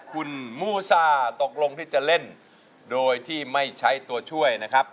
คุณมูซ่าตกลงที่จะเล่นโดยที่ไม่ใช้ตัวช่วยนะครับ